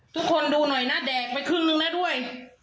ทุกคนดูหน่อยนะแดกไปครึ่งนึงแล้วด้วย